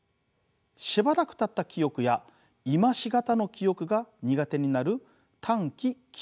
しばらくたった記憶や今し方の記憶が苦手になる短期記憶障害。